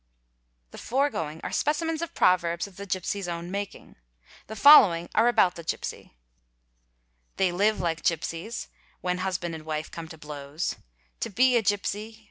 '' The foregoing are specimens of proverbs of the gipsy's own making. The following are about the gipsy :—"' They live like gipsies" (when husband and wife come to _ blows).—'To be a gipsy."